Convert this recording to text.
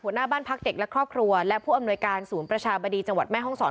หน้าบ้านพักเด็กและครอบครัวและผู้อำนวยการศูนย์ประชาบดีจังหวัดแม่ห้องศร